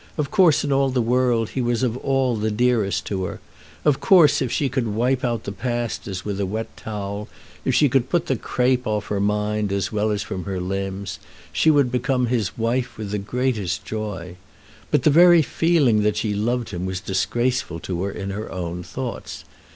Of course in all the world he was of all the dearest to her. Of course if she could wipe out the past as with a wet towel, if she could put the crape off her mind as well as from her limbs, she would become his wife with the greatest joy. But the very feeling that she loved him was disgraceful to her in her own thoughts.